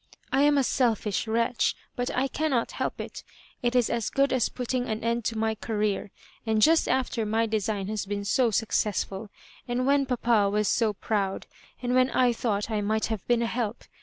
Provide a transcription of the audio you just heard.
^'I am a selfish wretch, but I cannot help it It is as good as putting an end to my Career; and just after my design has been so 8UOoessful*~and when papa was so proud — and when I thought I might have been a help.